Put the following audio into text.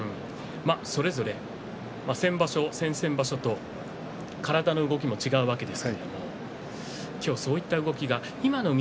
それぞれ先場所、先々場所と体の動きも違うわけですけれども今日はそういった動きが今の翠